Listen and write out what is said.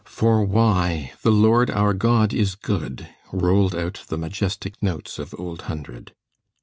"For why? The Lord our God is good," rolled out the majestic notes of Old Hundred.